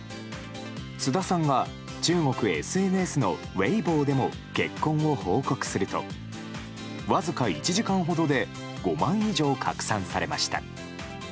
菅田さんは中国ＳＮＳのウェイボーでも結婚を報告するとわずか１時間ほどで５万以上拡散されました。